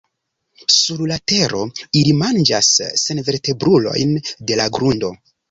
Sur la tero ili manĝas senvertebrulojn de la grundo.